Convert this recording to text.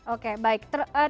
oke baik terima thanked